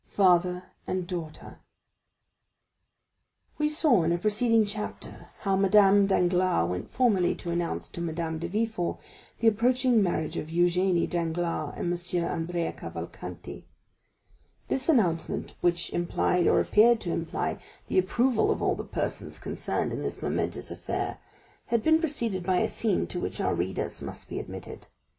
Father and Daughter We saw in a preceding chapter how Madame Danglars went formally to announce to Madame de Villefort the approaching marriage of Eugénie Danglars and M. Andrea Cavalcanti. This formal announcement, which implied or appeared to imply, the approval of all the persons concerned in this momentous affair, had been preceded by a scene to which our readers must be admitted.